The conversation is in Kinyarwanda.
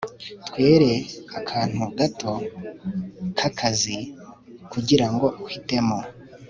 twere akantu gato k'akazi kugirango uhitemo